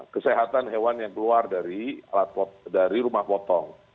kesehatan hewan yang keluar dari rumah potong